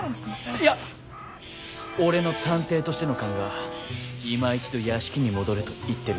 いや俺の探偵としての勘がいま一度屋敷に戻れと言ってる。